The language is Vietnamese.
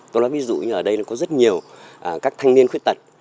tôi nói ví dụ như ở đây có rất nhiều các thanh niên khuyết tật